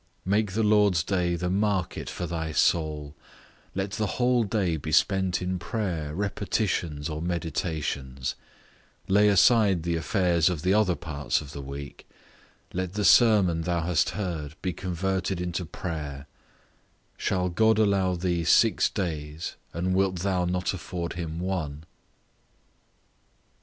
Make the Lord's day the market for thy soul; let the whole day be spent in prayer, repetitions, or meditations; lay aside the affairs of the other parts of the week; let the sermon thou hast heard be converted into prayer: shall God allow thee six days, and wilt thou not afford him one?